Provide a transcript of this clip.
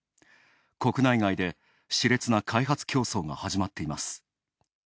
国内外でしれつな開発競争が始まっています。